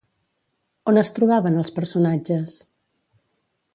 On es trobaven els personatges?